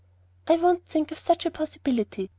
"I won't think of such a possibility.